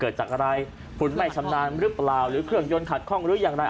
เกิดจากอะไรคุณไม่ชำนาญหรือเปล่าหรือเครื่องยนต์ขัดข้องหรืออย่างไร